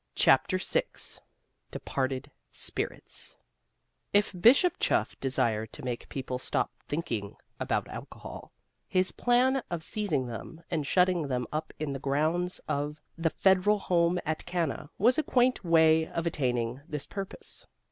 CHAPTER VI DEPARTED SPIRITS If Bishop Chuff desired to make people stop thinking about alcohol, his plan of seizing them and shutting them up in the grounds of the Federal Home at Cana was a quaint way of attaining this purpose.